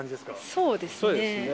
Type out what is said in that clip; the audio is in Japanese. そうですね。